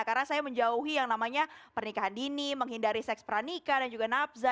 karena saya menjauhi yang namanya pernikahan dini menghindari seks peranikan dan juga nafsa